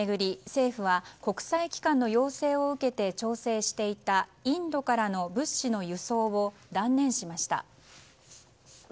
政府は国際機関の要請を受けて調整していたインドからの物資の輸送を断念しました。